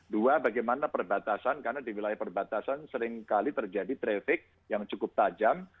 dua bagaimana perbatasan karena di wilayah perbatasan seringkali terjadi traffic yang cukup tajam